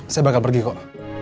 saya bakal pergi kok